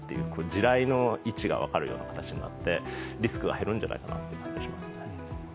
地雷の位置が分かるような形になってリスクが減るんじゃないかという気がしますね。